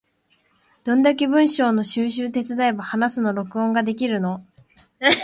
どんだけ文章の収集手伝えば話すの録音ができるの？